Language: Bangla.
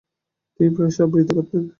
তিনি প্রায়শই আবৃত্তি করতেন।